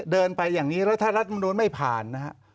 เดินไปอย่างนี้แล้วถ้ารัฐมนุนไม่ผ่านนะฮะ